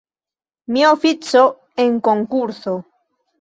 Mia ofico en konkurso!